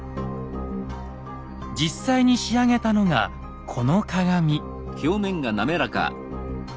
実際に仕上げたのがこの鏡。